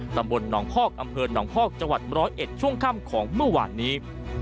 ตำบลหนองคอกอำเภอหนองพอกจังหวัด๑๐๑ช่วงค่ำของเมื่อวานนี้